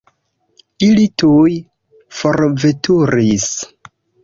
Ili tuj forveturis.